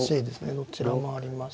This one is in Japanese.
どちらもあります。